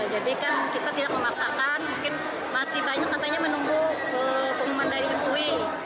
jadi kan kita tidak memaksakan mungkin masih banyak katanya menunggu pengumuman dari mpui